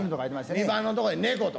２番のとこに「猫」と。